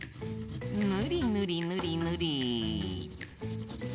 ぬりぬりぬりぬり。